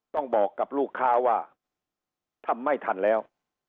ต้องบอกกับลูกค้าว่าทำไม่ทันแล้ว